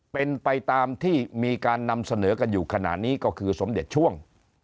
เป็นไปตามที่มีการนำเสนอกันอยู่ขณะนี้ก็คือสมเด็จช่วง